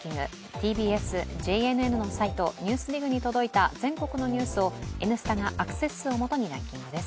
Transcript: ＴＢＳ・ＪＮＮのサイト「ＮＥＷＳＤＩＧ」に届いた全国のニュースを「Ｎスタ」がアクセス数を基にランキングです。